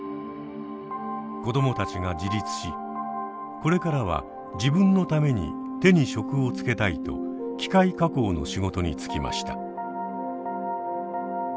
子どもたちが自立しこれからは自分のために手に職をつけたいと機械加工の仕事に就きました。